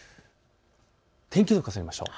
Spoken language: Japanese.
天気図を重ねましょう。